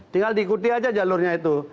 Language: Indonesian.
tinggal diikuti aja jalurnya itu